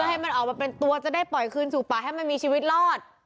ให้มันออกมาเป็นตัวจะได้ปล่อยคืนสู่ป่าให้มันมีชีวิตรอด